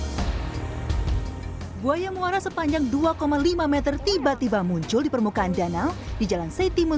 hai buaya muara sepanjang dua lima m tiba tiba muncul di permukaan danau di jalan setimun